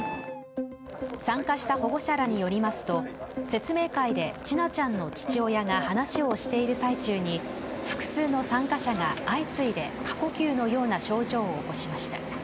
参加した保護者らによりますと、説明会で千奈ちゃんの父親が話をしている最中に複数の参加者が相次いで過呼吸のような症状を起こしました。